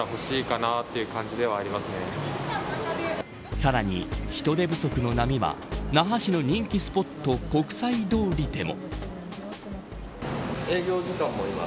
さらに、人手不足の波は那覇市の人気スポット国際通りでも。